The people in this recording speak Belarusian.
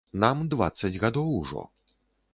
Нам дваццаць гадоў ужо.